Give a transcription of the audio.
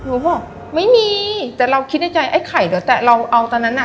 เขาบอกไม่มีแต่เราคิดในใจไอ้ไข่เดี๋ยวแต่เราเอาตอนนั้นอ่ะ